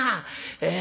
ええ？